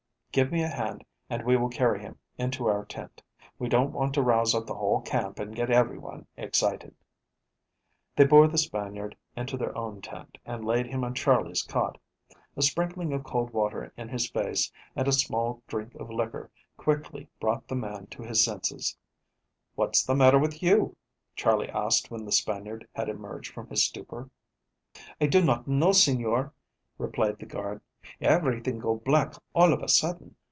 Give me a hand and we will carry him into our tent. We don't want to rouse up the whole camp and get every one excited." They bore the Spaniard into their own tent and laid him on Charley's cot. A sprinkling of cold water in his face, and a small drink of liquor quickly brought the man to his senses. "What's the matter with you?" Charley asked when the Spaniard had emerged from his stupor. "I do not know, señor," replied the guard. "Everything go black all of a sudden.